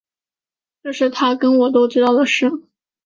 这是他跟我都知道的事